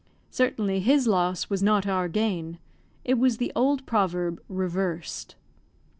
Certainly his loss was not our gain. It was the old proverb reversed.